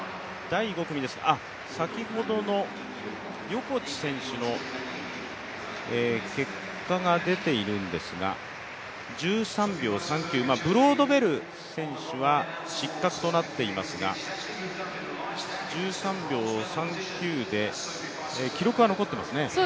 先ほどの横地選手の結果が出ているんですが、１３秒３９ブロードベル選手は失格となっていますが１３秒３９で記録は残っていますね。